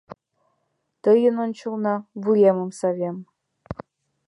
Тыйын ончылно вуемым савем.